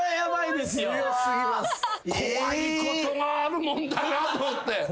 怖いことがあるもんだなと思って。